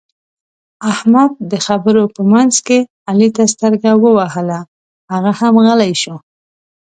احمد د خبرو په منځ کې علي ته سترګه ووهله؛ هغه هم غلی شو.